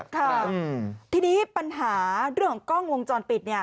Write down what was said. ค่ะทีนี้ปัญหาเรื่องของกล้องวงจรปิด